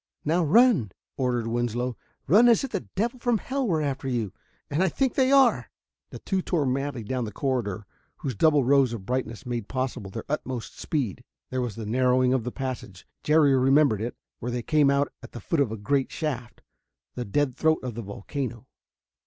"Now run!" ordered Winslow. "Run as if the devils from hell were after you and I think they are!" The two tore madly down the corridor whose double rows of brightness made possible their utmost speed. There was the narrowing of the passage Jerry remembered it where they came out at the foot of the great shaft, the dead throat of the volcano.